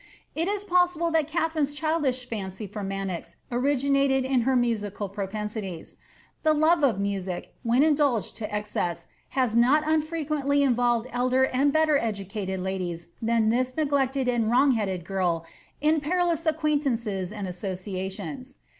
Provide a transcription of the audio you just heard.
It is possible that Katharine's childish fancy for Manoz originated in her musical propen Jtities. The love of music, when indulged to excess, has not unfre qnently inroWed older and better educated ladies than this neglected md wrong headed giri in perilous acquaintances and associations.